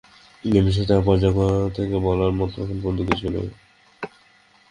এ বিষয়ে তাঁর পর্যায় থেকে বলার মতো এখন পর্যন্ত কিছু নেই।